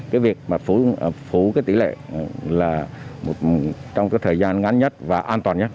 cái việc mà phủ cái tỷ lệ là trong cái thời gian ngắn nhất và an toàn nhất